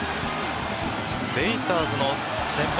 ベイスターズの先発